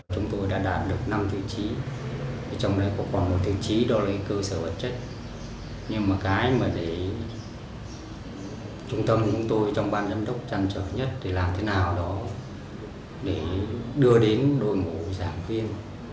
trung tâm của chúng tôi trong ban giám đốc trăn trở nhất để làm thế nào đó để đưa đến đội ngũ giảng viên